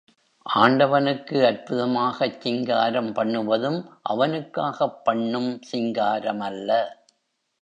ஆண்டவனுக்கு அற்புதமாகச் சிங்காரம் பண்ணுவதும் அவனுக்காகப் பண்ணும் சிங்காரமல்ல.